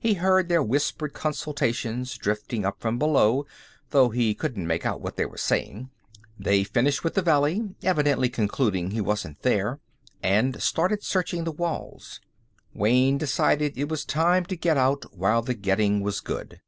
He heard their whispered consultations drifting up from below, though he couldn't make out what they were saying. They finished with the valley, evidently concluding he wasn't there, and started searching the walls. Wayne decided it was time to get out while the getting was good.